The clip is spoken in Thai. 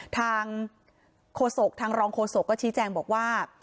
ทางโฆษกทางรองโฆษกก็ชี้แจงบอกว่า